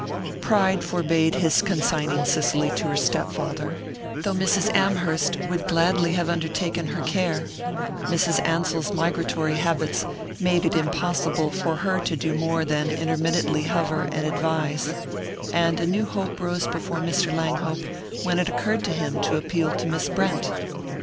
Pride forbade his consigning Cicely to her step father, though Mrs. Amherst would gladly have undertaken her care; Mrs. Ansell's migratory habits made it impossible for her to do more than intermittently hover and advise; and a new hope rose before Mr. Langhope when it occurred to him to appeal to Miss Brent.